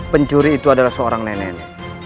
pencuri itu adalah seorang nenek